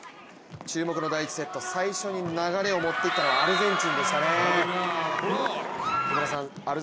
注目の第１セット最初に流れを持って行ったのはアルゼンチンでしたね。